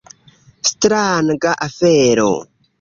Stranga afero.